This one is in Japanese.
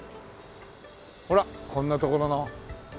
ほらこんな所の。